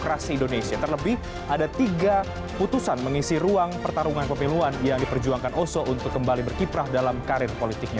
ada tiga putusan mengisi ruang pertarungan pemiluan yang diperjuangkan oso untuk kembali berkiprah dalam karir politiknya